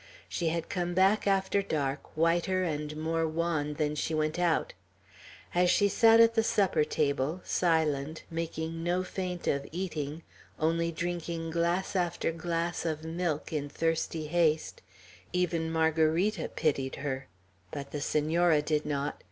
She had come back after dark, whiter and more wan than she went out. As she sat at the supper table, silent, making no feint of eating, only drinking glass after glass of milk, in thirsty haste, even Margarita pitied her. But the Senora did not.